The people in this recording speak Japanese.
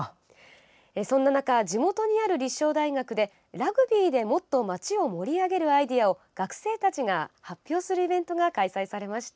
そんな中、地元にある立正大学でラグビーでもっと町を盛り上げるアイデアを学生たちが発表するイベントが開催されました。